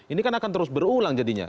ini kan akan terus berulang jadinya